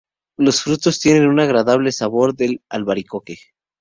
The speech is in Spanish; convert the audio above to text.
Los frutos tienen un agradable sabor del albaricoque.